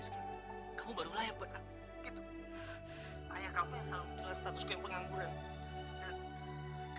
sampai jumpa di video selanjutnya